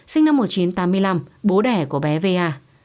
sinh năm một nghìn chín trăm tám mươi năm bố đẻ của bé v a